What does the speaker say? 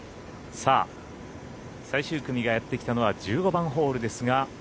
最終組がやってきたのは１５番ホールですが。